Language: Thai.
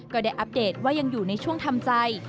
อัปเดตว่ายังอยู่ในช่วงทำใจ